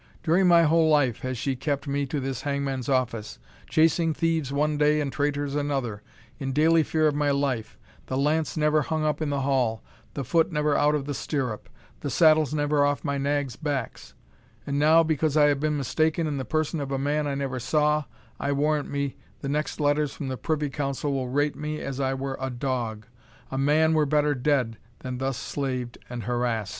During my whole life has she kept me to this hangman's office, chasing thieves one day and traitors another, in daily fear of my life; the lance never hung up in the hall, the foot never out of the stirrup, the saddles never off my nags' backs; and now, because I have been mistaken in the person of a man I never saw, I warrant me, the next letters from the Privy Council will rate me as I were a dog a man were better dead than thus slaved and harassed."